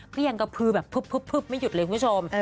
ยังกระพือแบบพึบไม่หยุดเลยคุณผู้ชม